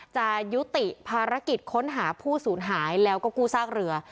จะยุติภารกิจค้นหาผู้สูญหายแล้วก็กู้ซากเรือ